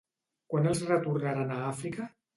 Quan els retornaran a Àfrica?